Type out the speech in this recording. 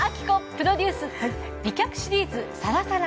プロデュース美脚シリーズさらさら